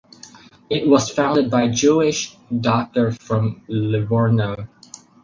It was founded by Jewish doctors from Livorno.